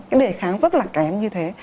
cái đề kháng rất là kém như thế